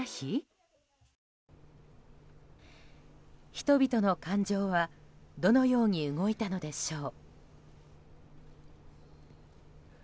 人々の感情はどのように動いたのでしょう。